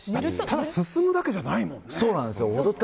ただ進むだけじゃないもんね。